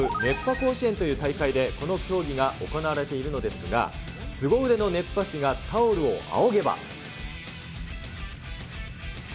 甲子園という大会でこの競技が行われているのですが、すご腕の熱波師がタオルをあおげば。